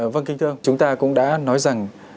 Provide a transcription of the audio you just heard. vâng kính thưa chúng ta cũng đã nói rằng